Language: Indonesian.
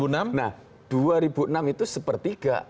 nah dua ribu enam itu sepertiga